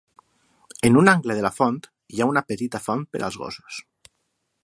En un angle de la font hi ha una petita font per als gossos.